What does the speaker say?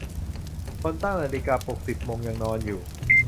คนตั้งนาฬิกาปลุกสิบโมงยังนอนอยู่